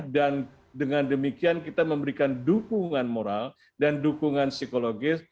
dan dengan demikian kita memberikan dukungan moral dan dukungan psikologis